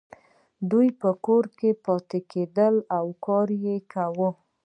دوی په کور کې پاتې کیدلې او کار یې کاوه.